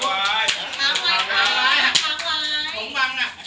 เอามือที่มีแหวนงอนว่า